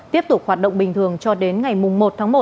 tiếp tục hoạt động bình thường cho đến ngày một tháng một